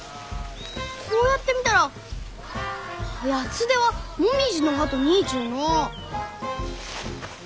こうやって見たらヤツデはモミジの葉と似ちゅうのう！